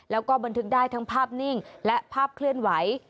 แล้วก็บันทึกได้ทั้งภาพนิ่งและภาพเคลื่อนไหว